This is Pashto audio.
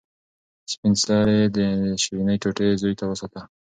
سپین سرې د شیرني ټوټه زوی ته وساتله.